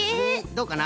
どうかな？